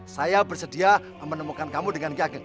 saya bersedia menemukan kamu dengan ki ageng